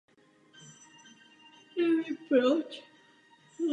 Je známým překladatelem děl ruského spisovatele Antona Pavloviče Čechova do němčiny.